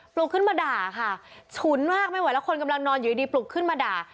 ลุกขึ้นมาด่าค่ะฉุนมากไม่ไหวแล้วคนกำลังนอนอยู่ดีปลุกขึ้นมาด่า